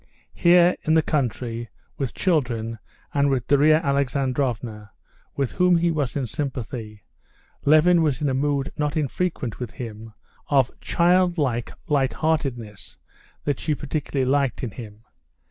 Here, in the country, with children, and with Darya Alexandrovna, with whom he was in sympathy, Levin was in a mood not infrequent with him, of childlike light heartedness that she particularly liked in him.